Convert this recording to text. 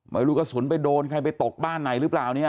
ไม่รู้กระสุนไปโดนใครไปตกบ้านไหนหรือเปล่าเนี่ย